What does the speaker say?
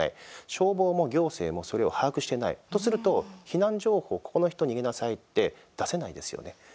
消防も行政もそれを把握してないとすると避難情報、ここの人逃げなさいって出せないですよね。